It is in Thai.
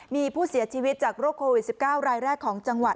มีผู้เสียชีวิตจากโรคโควิด๑๙รายแรกของจังหวัด